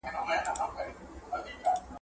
په افغانستان کي صنعتي کاروبار څه ډول پیل سوی دی؟